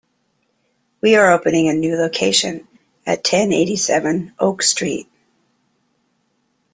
We are opening a new location at ten eighty-seven Oak Street.